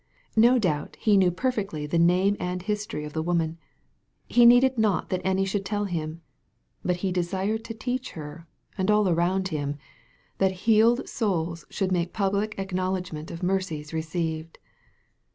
No dcubt He knew perfectly the name and history of the woman. He needed not that any should tell Him. But He desired. to teach her, and all around Him, that healud souls should make public acknowledgment of mercies received.